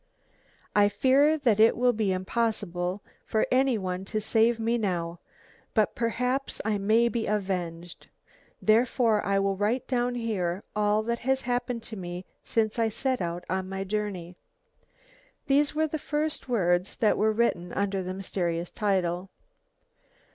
"I fear that it will be impossible for any one to save me now, but perhaps I may be avenged. Therefore I will write down here all that has happened to me since I set out on my journey." These were the first words that were written under the mysterious title.